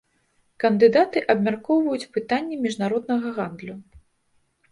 Кандыдаты абмяркоўваюць пытанні міжнароднага гандлю.